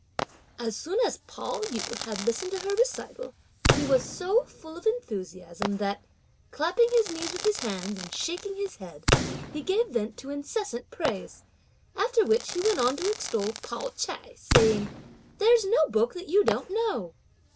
As soon as Pao yü had listened to her recital, he was so full of enthusiasm, that, clapping his knees with his hands, and shaking his head, he gave vent to incessant praise; after which he went on to extol Pao ch'ai, saying: "There's no book that you don't know."